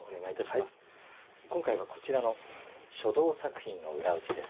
今回はこちらの書道作品の裏打ちです。